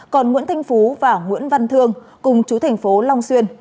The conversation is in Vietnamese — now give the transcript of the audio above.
còn nguyễn thanh phú và nguyễn văn thương cùng chú tp long xuyên